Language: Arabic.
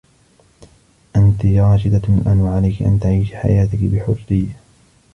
أنتِ راشدة الآن و عليكِ أن تعيشي حياتكِ بحرّيّة.